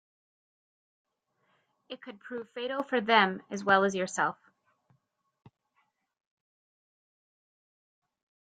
It could prove fatal for them as well as yourself.